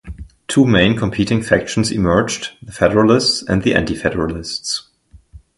Two main competing factions emerged, the Federalists and the anti-Federalists.